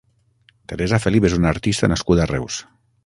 Teresa Felip és una artista nascuda a Reus.